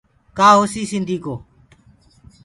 ڪآ هوسيٚ سنڌي ڪو